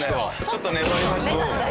ちょっとね飛びました。